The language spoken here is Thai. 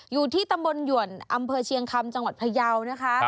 อยู่ที่ตำบลหยวนอำเภอเชียงคำจังหวัดพยาวนะคะ